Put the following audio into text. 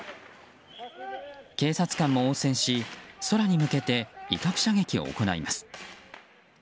警察官も応戦し、空に向けて威嚇射撃を行います。